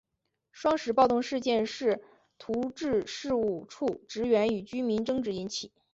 双十暴动事件是徙置事务处职员与居民争执引起。